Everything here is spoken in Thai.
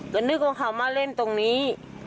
ก็นึกว่าเขามาเล่นตรงนี้